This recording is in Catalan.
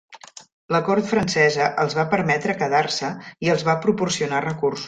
La cort francesa els va permetre quedar-se i els va proporcionar recursos.